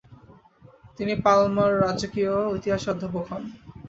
তিনি পাল্মার যাজকীয় ইতিহাসের অধ্যাপক হন।